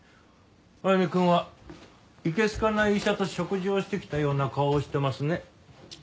歩くんはいけ好かない医者と食事をしてきたような顔をしてますね。